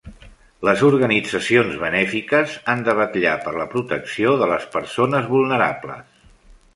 Les organitzacions benèfiques han de vetllar per la protecció de les persones vulnerables.